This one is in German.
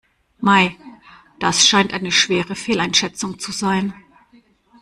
Mei, das scheint eine schwere Fehleinschätzung zu sein.